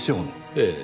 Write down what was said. ええ。